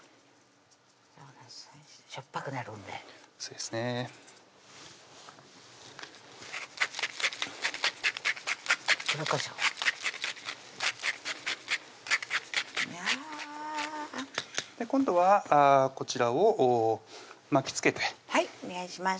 しょっぱくなるんでそうですね黒こしょうや今度はこちらを巻きつけてはいお願いします